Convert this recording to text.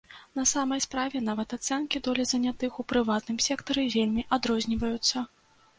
На самай справе, нават ацэнкі долі занятых у прыватным сектары вельмі адрозніваюцца.